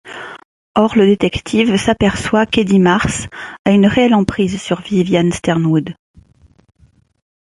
Or, le détective s'aperçoit qu'Eddie Mars a une réelle emprise sur Vivian Sternwood.